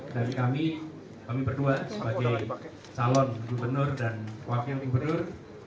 dan kami berdua sebagai calon gubernur dan wakil gubernur